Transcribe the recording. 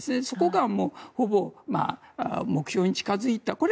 そこがほぼ目標に近づいた。